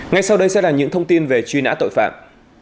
ngay sau đây sẽ là những thông tin về truy nã tội phạm